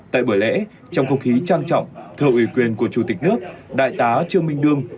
tại buổi lễ trong không khí trang trọng thờ ủy quyền của chủ tịch nước đại tá trương minh đương